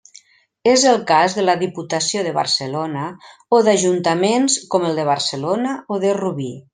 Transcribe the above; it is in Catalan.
És el cas de la Diputació de Barcelona, o d'Ajuntaments com el de Barcelona o de Rubí.